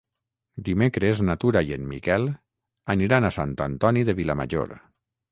Dimecres na Tura i en Miquel aniran a Sant Antoni de Vilamajor.